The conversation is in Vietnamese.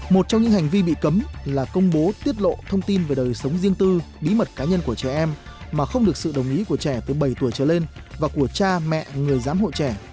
một trong những hành vi bị cấm là công bố tiết lộ thông tin về đời sống riêng tư bí mật cá nhân của trẻ em mà không được sự đồng ý của trẻ từ bảy tuổi trở lên và của cha mẹ người giám hộ trẻ